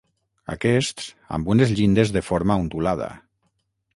Aquests amb unes llindes de forma ondulada.